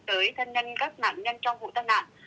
tới thân nhân các nạn nhân trong vụ tai nạn